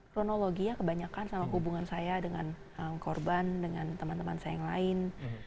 kronologinya kebanyakan sama hubungan saya dengan korban dengan teman teman saya yang lain